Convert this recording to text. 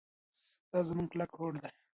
دا زموږ کلک هوډ دی.